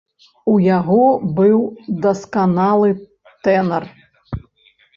У яго быў дасканалы тэнар.